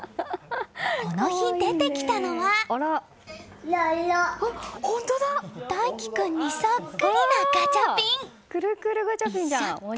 この日、出てきたのは大暉君にそっくりなガチャピン。